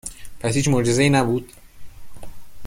پس هیچ معجزه ای نبود ؟